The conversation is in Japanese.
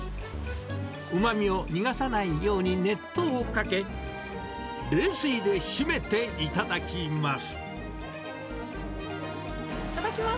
うまみを逃がさないように熱湯をかけ、いただきます。